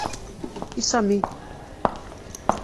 I Sami?